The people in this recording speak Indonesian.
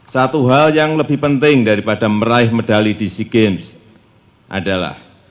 satu hal yang lebih penting daripada meraih medali di sea games adalah